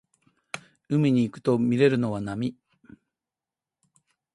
海に行くとみれるのは波